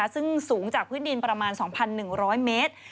ซึ่งสูงจากพื้นดินประมาณ๒๑๐๐เมตร